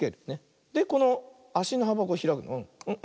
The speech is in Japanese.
でこのあしのはばをひらく。